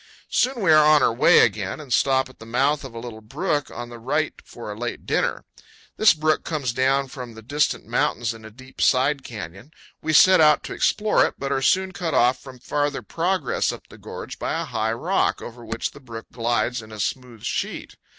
Soon we are on our way again, and stop at the mouth of a little brook on the right for a late dinner. This brook comes down from the distant 162 CANYONS OF THE COLORADO. mountains in a deep side canyon. We set out to explore it, but are soon cut off from farther progress up the gorge by a high rock, over which the brook glides in a smooth sheet.